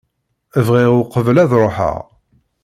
Bɣiɣ uqbel ad ruḥeɣ.